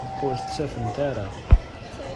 Ur t-ttafent ara.